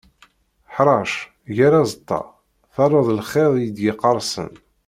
Ḥrec, ger aẓeṭṭa. Terreḍ lxiḍ i d-yeqqarsen.